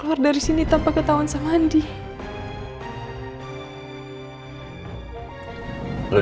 dari dunia trem itucomperkateran lo